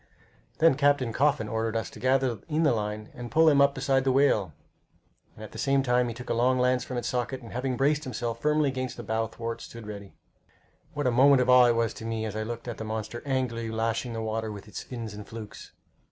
Then Captain Coffin ordered us to gather in the line and pull him up beside the whale, and at the same time he took a long lance from its socket and having braced himself firmly against the bow thwart, stood ready. What a moment of awe it was to me as I looked at the monster angrily lashing the water with its fins and flukes!